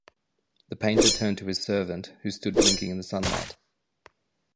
The painter turned to his servant, who stood blinking in the sunlight.